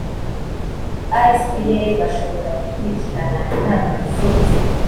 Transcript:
asbl bashobora gukulikirana inama z’inzego